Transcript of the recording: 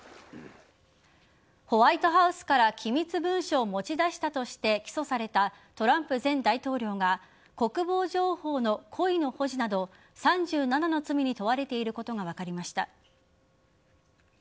ホワイトハウスから機密文書を持ち出したとして起訴されたトランプ前大統領が国防情報の故意の保持など３７の罪に問われていることが分かりました。